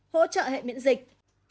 hỗ trợ hệ miễn dịch